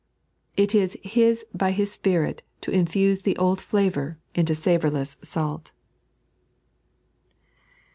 It is His by His Spirit to infuse the old flavour into savourless salt.